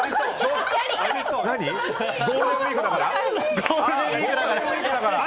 ゴールデンウィークだから？